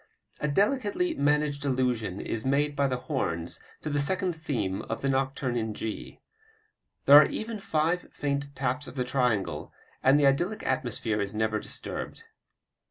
A delicately managed allusion is made by the horns to the second theme of the nocturne in G. There are even five faint taps of the triangle, and the idyllic atmosphere is never disturbed.